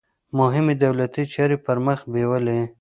مهمې دولتي چارې پرمخ بیولې.